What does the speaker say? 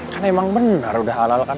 kan emang benar udah halal kan